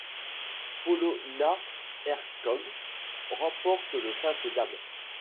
Polona Hercog remporte le simple dames.